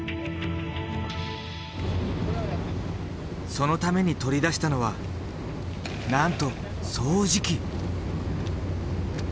そのために取り出したのはなんと掃除機！